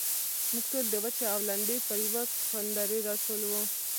موږ ټول د وچې او لندې پر يوه کوندرې راټول وو.